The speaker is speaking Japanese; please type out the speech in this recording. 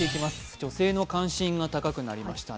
女性の関心が高くなりましたね。